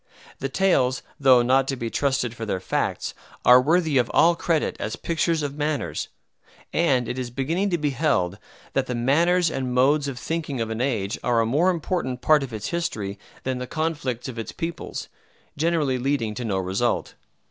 The tales, though not to be trusted for their facts, are worthy of all credit as pictures of manners; and it is beginning to be held that the manners and modes of thinking of an age are a more important part of its history than the conflicts of its peoples, generally leading to no result.